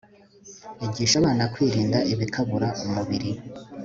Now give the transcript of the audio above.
Igisha Abana Kwirinda Ibikabura Umubiri